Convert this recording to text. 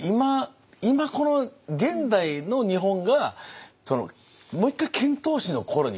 今この現代の日本がもう一回遣唐使の頃にかえって。